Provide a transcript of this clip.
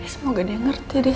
semoga dia ngerti deh